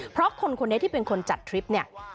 เพราะคนคนนี้ที่เป็นคนจัดทริปเนี่ย